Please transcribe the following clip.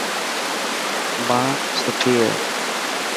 ماءِ سٺي هي.